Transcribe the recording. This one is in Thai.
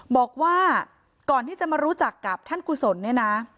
บอกว่าก่อนที่จะมารู้จักกับท่านกุศลเนี่ยนะ